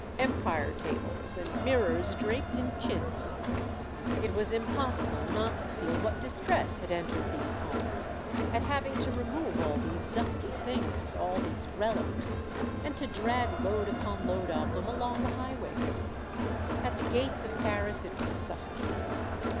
Empire tables, and mirrors draped in chintz ; it was impossible not to feel what distress had entered these homes, at having to re move all these dusty things, all these relics, and to drag load upon load of them along the highways. Country Folk in Paris, 89 At the gates of Paris it was sufifocating.